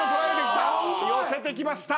寄せてきました。